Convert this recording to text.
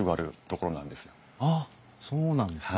あっそうなんですね。